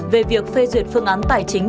về việc phê duyệt phương án tài chính